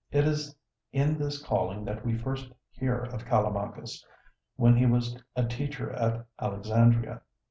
It is in this calling that we first hear of Callimachus, when he was a teacher at Alexandria.